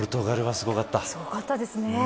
すごかったですね。